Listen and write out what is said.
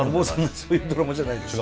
そういうドラマじゃないでしょ。